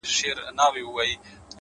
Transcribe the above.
هیله د زړونو انرژي ده’